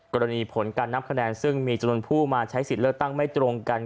กรณีผลการนับคะแนนซึ่งมีจำนวนผู้มาใช้สิทธิ์เลือกตั้งไม่ตรงกัน